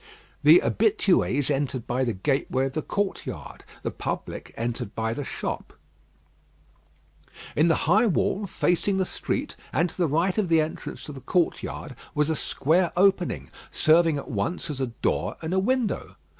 The habitués entered by the gateway of the courtyard; the public entered by the shop. In the high wall, facing the street, and to the right of the entrance to the courtyard, was a square opening, serving at once as a door and a window.